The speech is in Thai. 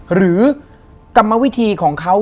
หรือกรรมวิธีของเขา